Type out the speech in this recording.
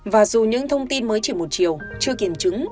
và dù những thông tin mới chỉ một chiều chưa kiểm chứng